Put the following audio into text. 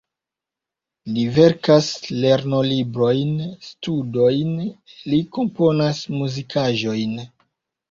Li verkas lernolibrojn, studojn, li komponas muzikaĵojn.